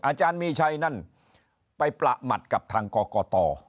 อาจารย์มีชัยนั่นไปประหมัดกับทางกรกต